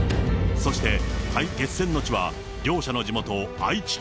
そして決戦の地は、両者の地元、愛知県。